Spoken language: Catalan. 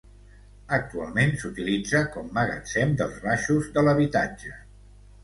Actualment s'utilitza com magatzem dels baixos de l'habitatge.